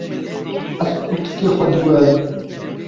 Ez kurtikê xwe diguherim.